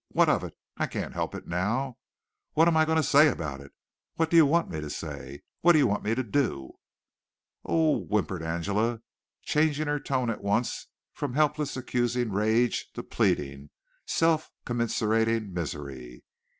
What of it? I can't help it now. What am I going to say about it? What do you want me to say? What do you want me to do?" "Oh," whimpered Angela, changing her tone at once from helpless accusing rage to pleading, self commiserating misery.